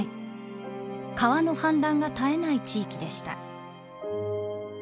川の氾濫が絶えない地域でした。